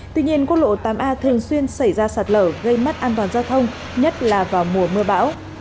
tuy nhiên quốc lộ tám a thường xuyên xảy ra sạt lở gây mất an toàn giao thông nhất là vào mùa mưa bão